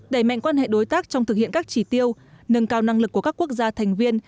đẩy mạnh quan hệ đối tác trong thực hiện các chỉ tiêu nâng cao năng lực của các quốc gia thành viên